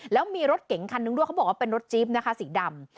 แล้วมีรถเก๋งคันนึงด้วยเขาบอกว่าเป็นรถจี๊บนะคะสีดำ